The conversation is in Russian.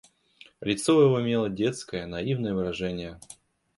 Лицо его имело детское, наивное выражение.